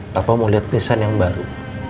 papa mau lihat pesan yang baru